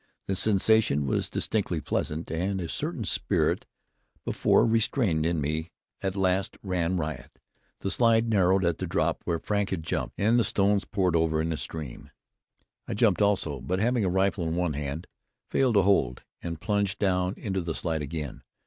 The sensation was distinctly pleasant, and a certain spirit, before restrained in me, at last ran riot. The slide narrowed at the drop where Frank had jumped, and the stones poured over in a stream. I jumped also, but having a rifle in one hand, failed to hold, and plunged down into the slide again.